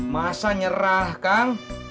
masa nyerah kang